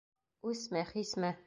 Үсме, хисме?